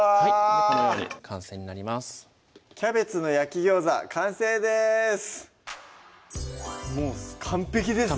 このように完成になります「キャベツの焼き餃子」完成ですもう完璧ですね